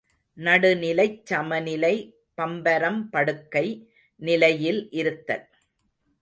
நடுநிலைச் சமநிலை பம்பரம் படுக்கை நிலையில் இருத்தல்.